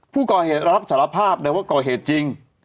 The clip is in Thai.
ผู้ก่อเหตุรับสารภาพเลยว่าก่อเหตุจริง